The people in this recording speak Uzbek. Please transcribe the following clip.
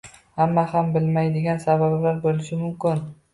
Hamma ham bilmaydigan sabablar bo'lishi mumkin